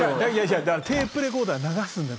「テープレコーダーで流すんだよ